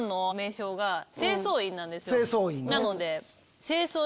なので。